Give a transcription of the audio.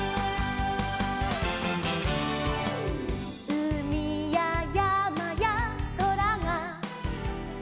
「うみややまやそらが」